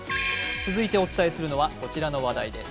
続いてお伝えするのはこちらの話題です。